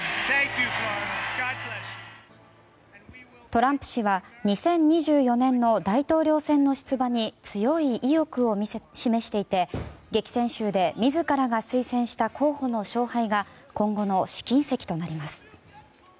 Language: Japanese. トランプ氏は２０２４年の大統領選の出馬に強い意欲を示していて激戦州で自らが推薦した候補の勝敗が今後の試金石となります。